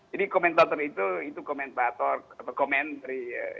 jadi komentator itu itu komentator komentari